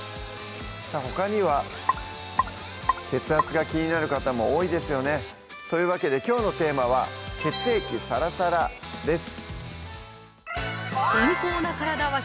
さぁほかには血圧が気になる方も多いですよねというわけできょうのテーマは「血液サラサラ」です